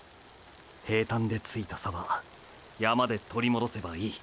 平坦でついた差は山でとり戻せばいい。